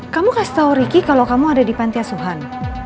kamu kasih tau riki kalo kamu ada di pantai suhan